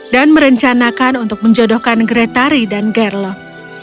dan merencanakan untuk menjodohkan gretari dan gerlok